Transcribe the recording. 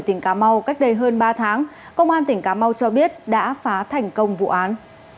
tỉnh cà mau cách đây hơn ba tháng công an tỉnh cà mau cho biết đã phá thành công vụ án